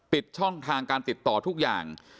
ปิดช่องทางการติดต่อทุกอย่าง